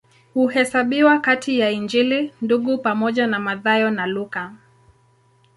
Huhesabiwa kati ya Injili Ndugu pamoja na Mathayo na Luka.